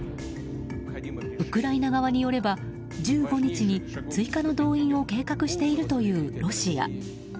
ウクライナ側によれば１５日に追加の動員を計画しているというロシア。